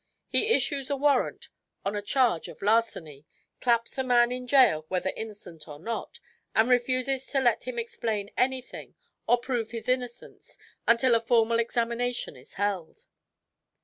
He issues a warrant on a charge of larceny, claps a man in jail whether innocent or not, and refuses to let him explain anything or prove his innocence until a formal examination is held."